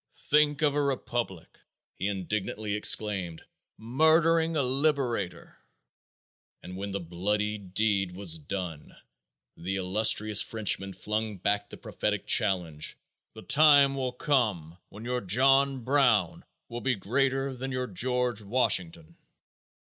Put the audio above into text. "Think of a republic," he indignantly exclaimed, "murdering a liberator!" and when the bloody deed was done the illustrious Frenchman flung back the prophetic challenge: "The time will come when your John Brown will be greater than your George Washington."